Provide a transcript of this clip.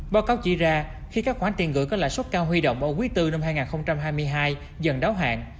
báo cáo chỉ ra khi các khoản tiền gửi có lãi suất cao huy động ở quý bốn năm hai nghìn hai mươi hai dần đáo hạn